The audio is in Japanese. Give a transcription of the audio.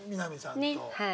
はい！